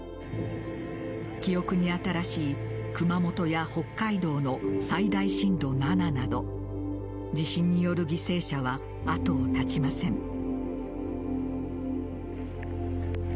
記憶に新しい熊本や北海道の最大震度７など地震による犠牲者は後を絶ちません。